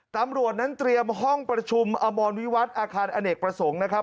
ตำรวจนั้นเตรียมห้องประชุมอมรวิวัตรอาคารอเนกประสงค์นะครับ